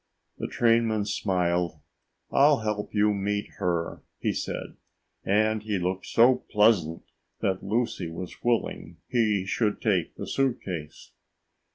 The trainman smiled. "I'll help you meet her," he said, and he looked so pleasant that Lucy was willing he should take the suit case.